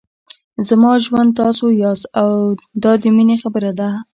زما ژوند تاسو یاست دا د مینې خبره ده.